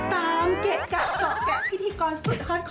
ถ้าเด็ดเท้าไม่เห็นอยู่เลย